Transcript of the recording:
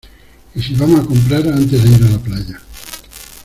Y si vamos a comprar antes de ir a la playa.